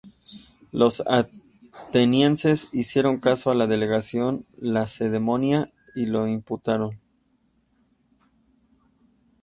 Los atenienses hicieron caso a la delegación lacedemonia y lo imputaron.